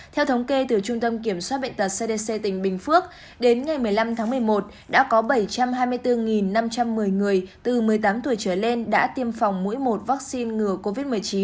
theo thống kê từ trung tâm kiểm soát bệnh tật cdc tỉnh bình phước đến ngày một mươi năm tháng một mươi một đã có bảy trăm hai mươi bốn năm trăm một mươi người từ một mươi tám tuổi trở lên đã tiêm phòng mũi một vaccine ngừa covid một mươi chín